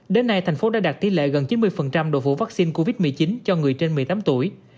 đến nay thành phố đã đạt tỷ lệ gần chín mươi độ vũ vaccine covid một mươi chín cho người trên một mươi tám tuổi